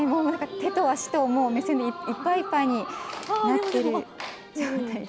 手と足と目線でいっぱいいっぱいになっている状態で。